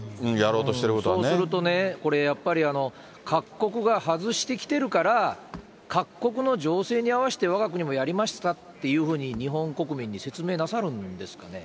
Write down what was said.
そうするとね、これやっぱり、各国が外してきてるから、各国の情勢に合わせてわが国もやりましたっていうふうに日本国民に説明なさるんですかね。